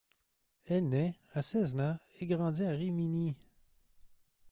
Elle naît à Cesena et grandit à Rimini.